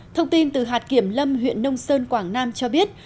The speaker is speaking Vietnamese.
thông tin từ hạt kiểm lâm huyện nông sơn quảng nam cho biết